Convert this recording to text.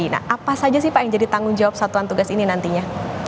nah apa saja sih pak yang jadi tanggung jawab satuan tugas ini nantinya